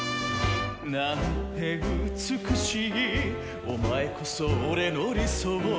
「なんて美しいお前こそ俺の理想」